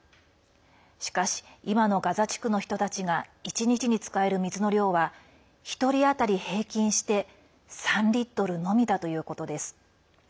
しかし、今のガザ地区の人たちが１日に使える水の量は１人当たり平均して３リットルのみだということです。